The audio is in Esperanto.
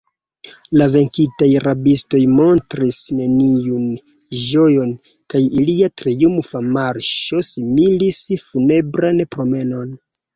La venkintaj rabistoj montris neniun ĝojon, kaj ilia triumfa marŝo similis funebran promenon.